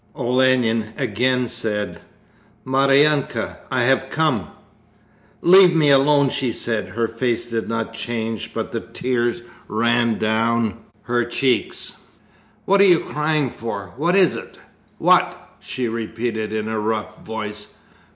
Olenin again said: 'Maryanka, I have come ' 'Leave me alone!' she said. Her face did not change but the tears ran down her cheeks. 'What are you crying for? What is it?' 'What?' she repeated in a rough voice.